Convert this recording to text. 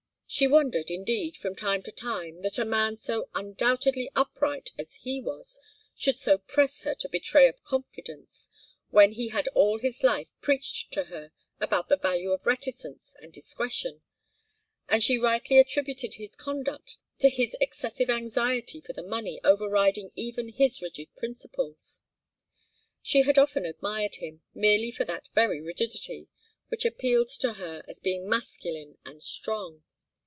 She wondered, indeed, from time to time, that a man so undoubtedly upright as he was should so press her to betray a confidence, when he had all his life preached to her about the value of reticence and discretion, and she rightly attributed his conduct to his excessive anxiety for the money, overriding even his rigid principles. She had often admired him, merely for that very rigidity, which appealed to her as being masculine and strong.